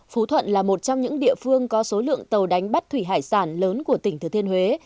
phú thuận là một trong những địa phương có số lượng tàu đánh bắt thủy hải sản lớn của tỉnh thừa thiên huế